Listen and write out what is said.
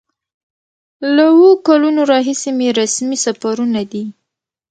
له اوو کلونو راهیسې مې رسمي سفرونه دي.